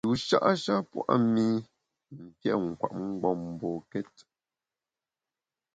Yusha’ sha pua’ mi mfiét nkwet mgbom mbokét.